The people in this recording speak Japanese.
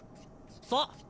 そう。